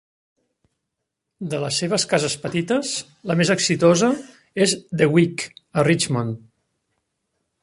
De les seves cases petites, la més exitosa és The Wick, a Richmond.